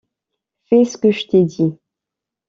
Fais ce que je t’ai dit.